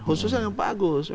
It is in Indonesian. khususnya dengan pak agus